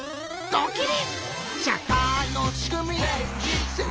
ドキリ。